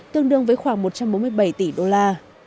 tương đương với khoảng một trăm bốn mươi bảy tỷ đô la